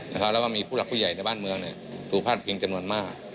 แล้วก็มีผู้หลักผู้ใหญ่ในบ้านเมืองถูกพลาดพิงจำนวนมาก